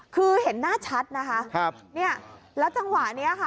คือเห็นหน้าชัดนะคะครับเนี่ยแล้วจังหวะเนี้ยค่ะ